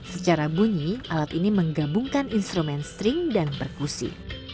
secara bunyi alat ini menggabungkan instrumen string dan perkusi